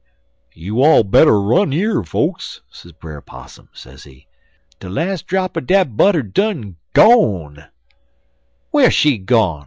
"'You all better run yer, fokes,' sez Brer Possum, sezee. 'De las' drap er dat butter done gone!' "'Whar she gone?'